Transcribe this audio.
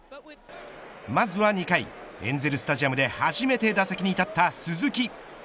まずは２回エンゼルスタジアムで初めて打席に立った鈴木。